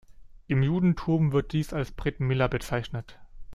Im Judentum wird dies als Brit Mila bezeichnet.